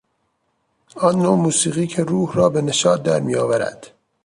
آن نوع موسیقی که روح را به نشاط در میآورد.